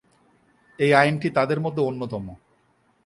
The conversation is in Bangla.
এই আইনটি তাদের মধ্যে অন্যতম।